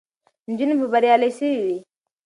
نجونې به بریالۍ سوې وي.